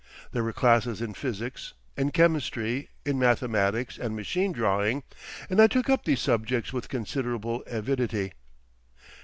There were classes in physics, in chemistry, in mathematics and machine drawing, and I took up these subjects with considerable avidity.